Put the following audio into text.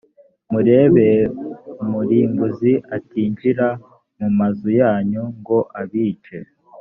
murebe umurimbuzi atinjira mu mazu yanyu ngo abice